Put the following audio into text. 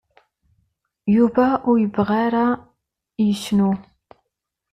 Yuba ur yebɣa ara yecnu.